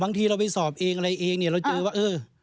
บางทีเราไปสอบเองอะไรเองเนี่ยเราเจอว่าเออ